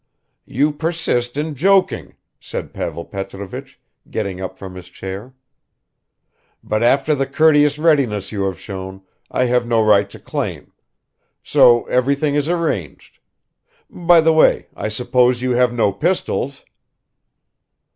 "You persist in joking," said Pavel Petrovich, getting up from his chair. "But after the courteous readiness you have shown, I have no right to claim ... so everything is arranged ... by the way, I suppose you have no pistols?"